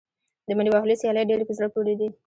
د منډې وهلو سیالۍ ډېرې په زړه پورې دي.